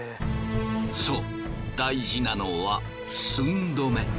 そう大事なのは寸止め。